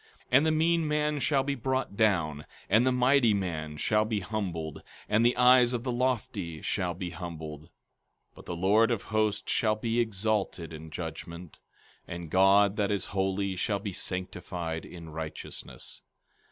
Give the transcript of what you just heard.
15:15 And the mean man shall be brought down, and the mighty man shall be humbled, and the eyes of the lofty shall be humbled. 15:16 But the Lord of Hosts shall be exalted in judgment, and God that is holy shall be sanctified in righteousness.